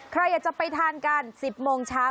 ใครอยากจะไปทานกัน๑๐โมงเช้า